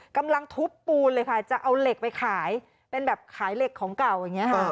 กำลังทุบปูนเลยค่ะจะเอาเหล็กไปขายเป็นแบบขายเหล็กของเก่าอย่างนี้ค่ะ